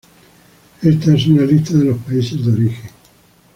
Esta es una lista de los países de origen.